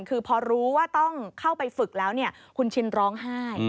คือพอรู้ว่าต้องเข้าไปฝึกแล้วคุณชินร้องไห้